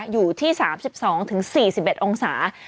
อยู่ที่๓๒๔๑องศา